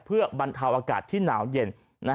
เพื่อบรรเทาอากาศที่หนาวเย็น